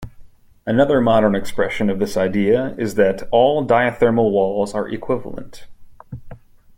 Another modern expression of this idea is that "All diathermal walls are equivalent".